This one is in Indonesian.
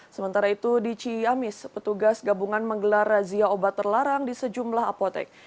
sementara itu di ciamis petugas gabungan menggelar razia obat terlarang di sejumlah apotek